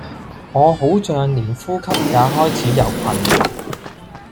我好像連呼吸也開始有困難